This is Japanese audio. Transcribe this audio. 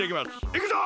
いくぞ！